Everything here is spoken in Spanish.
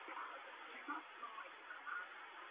Encargó el libreto a Mr.